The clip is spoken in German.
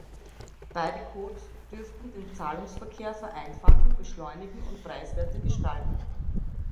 Beide Codes dürften den Zahlungsverkehr vereinfachen, beschleunigen und preiswerter gestalten.